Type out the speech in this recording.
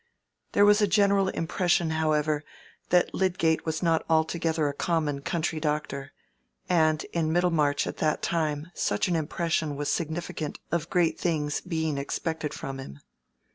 There was a general impression, however, that Lydgate was not altogether a common country doctor, and in Middlemarch at that time such an impression was significant of great things being expected from him.